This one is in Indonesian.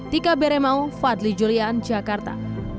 tika beremau fadli julian jakarta